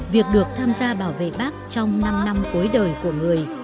việc được tham gia bảo vệ bác trong năm năm cuối đời của người